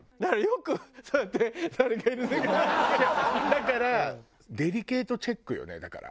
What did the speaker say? だからデリケートチェックよねだから。